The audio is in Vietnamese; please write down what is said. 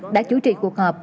đã chủ trì cuộc họp